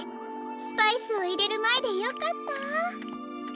スパイスをいれるまえでよかった。